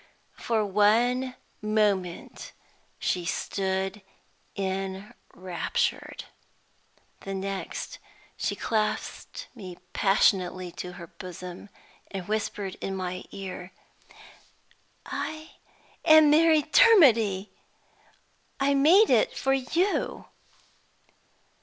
For one moment she stood enraptured. The next she clasped me passionately to her bosom, and whispered in my ear: "I am Mary Dermody! I made it for You!"